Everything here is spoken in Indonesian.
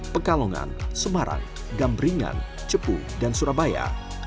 pekalongan semarang gambringan cepu dan surabaya